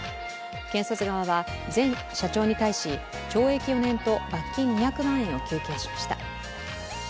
検察側は、前社長に対し懲役４年と罰金２００万円を求刑しました。